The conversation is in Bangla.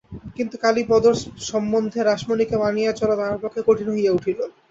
কিন্তু কালীপদর সম্বন্ধে রাসমণিকে মানিয়া চলা তাঁহার পক্ষে কঠিন হইয়া উঠিল।